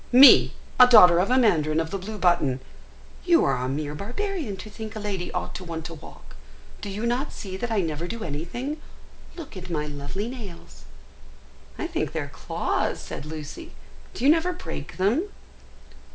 Me, a daughter of a mandarin of the blue button! You are a mere barbarian to think a lady ought to want to walk. Do you not see that I never do anything? Look at my lovely nails." "I think they are claws," said Lucy; "do you never break them?"